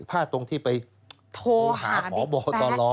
พลาดตรงที่ไปโทรหาพบตร